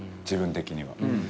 自分的には。